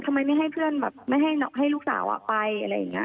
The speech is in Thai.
ทำไมไม่ให้เพื่อนแบบไม่ให้ลูกสาวไปอะไรอย่างนี้